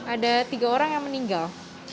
ada tiga orang yang meninggal